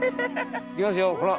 いきますよほら。